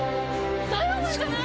ダイワマンじゃない？